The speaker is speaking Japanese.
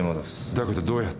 だけどどうやって？